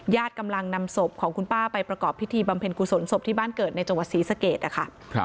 กำลังนำศพของคุณป้าไปประกอบพิธีบำเพ็ญกุศลศพที่บ้านเกิดในจังหวัดศรีสะเกดนะคะ